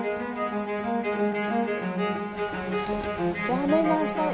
やめなさい。